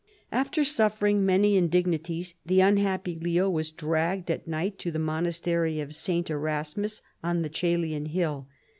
After suffering many indignities the unhappy Leo was dragged at night to the monastery of St. Eras mus on the Coelian hill.